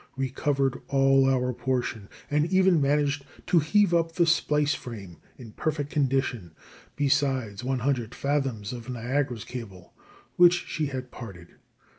Recovered all our portion, and even managed to heave up the splice frame (in perfect condition), besides 100 fathoms of Niagara's cable, which she had parted.